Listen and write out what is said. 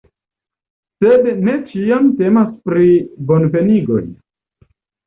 Sed ne ĉiam temas pri bonvenigoj.